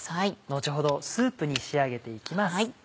後ほどスープに仕上げて行きます。